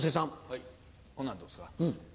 はいこんなんどうですか。